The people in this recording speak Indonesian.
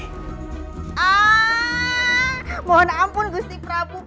hah mohon ampun gusti prabu